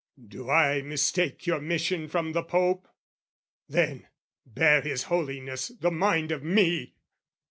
Do I mistake your mission from the Pope? Then, bear his Holiness the mind of me!